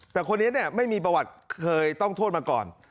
แต่คนนี้ไม่มีประวัติเคยต้องโทษมาก่อน